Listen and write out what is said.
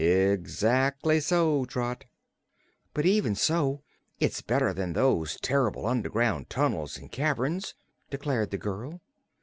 "Ezzackly so, Trot." "But, 'even so, it's better than those terr'ble underground tunnels and caverns," declared the girl.